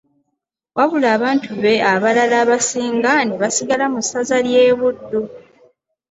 Wabula abantu be abalala abasinga ne basigala mu ssaza ly’e Buddu.